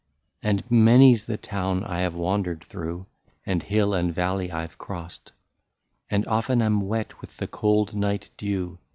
" And many 's the town I have wandered through, And hill and valley I Ve crost, And often am wet with the cold night dew.